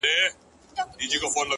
د ژوند پر هره لار چي ځم يوه بلا وينم!!